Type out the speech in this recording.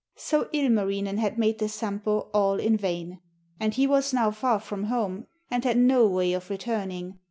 So Ilmarinen had made the Sampo all in vain, and he was now far from home and had no way of returning.